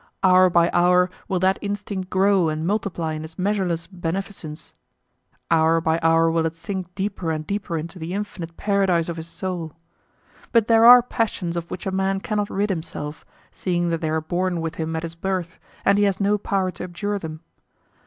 Hour by hour will that instinct grow and multiply in its measureless beneficence; hour by hour will it sink deeper and deeper into the infinite paradise of his soul. But there are passions of which a man cannot rid himself, seeing that they are born with him at his birth, and he has no power to abjure them.